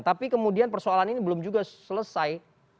tapi kemudian persoalan ini belum juga selesai